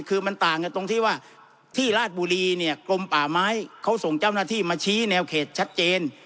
คือมันต่างกันตรงที่ว่าที่ราชบุรีเนี่ยกรมป่าไม้เขาส่งเจ้าหน้าที่มาชี้แนวเขตชัดเจน